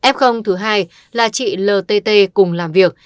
f thứ hai là chị ltt cùng làm việc